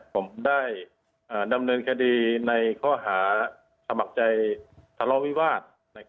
ผมได้ดำเนินคดีในข้อหาสมัครใจทะเลาวิวาส